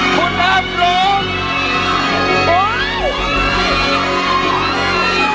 คุณอัมพร้อม